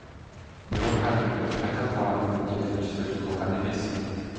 Бирок аны эч качан палатанын жетекчиси өзү кылган эмес.